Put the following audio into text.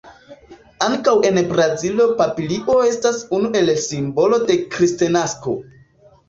Ankaŭ en Brazilo papilio estas unu el simbolo de kristnasko.